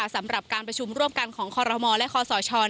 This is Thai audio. สำหรับการประชุมร่วมกันของคอรมอลและคอสช